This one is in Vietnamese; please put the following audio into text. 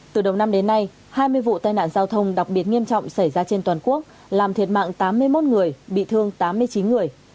từ đầu năm đến nay hai mươi vụ tai nạn giao thông đặc biệt nghiêm trọng xảy ra trên toàn quốc làm thiệt mạng tám mươi một người bị thương tám mươi chín người